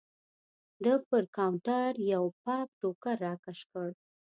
ده پر کاونټر یو پاک ټوکر راکش کړ.